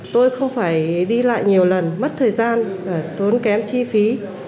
tôi không phải đi lại nhiều lần mất thời gian tốn kém chi phí